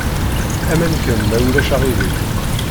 Aman kan, ma ulac aɣilif.